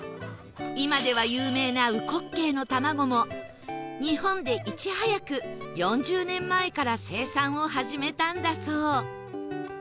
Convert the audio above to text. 今では有名な烏骨鶏のたまごも日本でいち早く４０年前から生産を始めたんだそう